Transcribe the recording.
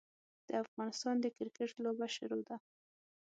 د افغانستان د کرکیټ لوبه شروع ده.